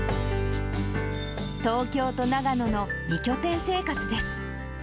東京と長野の２拠点生活です。